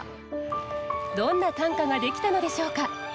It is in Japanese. どんな短歌ができたのでしょうか。